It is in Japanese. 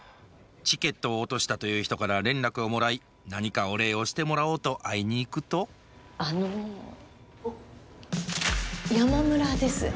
チケットを落としたという人から連絡をもらい何かお礼をしてもらおうと会いに行くとあの山村です。